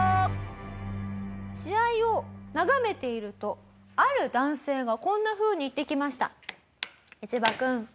試合を眺めているとある男性がこんなふうに言ってきました。